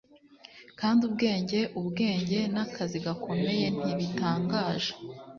kandi ubwenge, ubwenge, nakazi gakomeye ntibitangaje